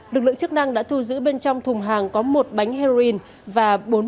lực lượng chức năng đã thu giữ bên trong thùng hàng có một bánh heroin và bốn mươi ba quả bí đỏ